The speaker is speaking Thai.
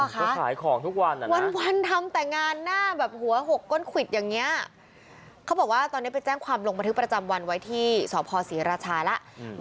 เขาบอกว่าตอนนี้ไปแจ้งความลงบันทึกประจำวันไว้ที่สศรีราชาแล้ว